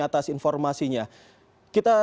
atas informasinya kita